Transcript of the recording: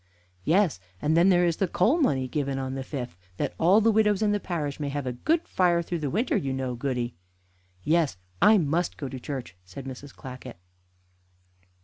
"Yes, and then there is the 'coal money' given on the fifth, that all the widows in the parish may have a good fire through the winter, you know, Goody." "Yes, I must go to church," said Mrs. Clackett.